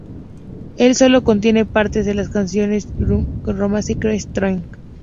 El solo contiene partes de las canciones "Goodbye to Romance", "Dee" y "Crazy Train".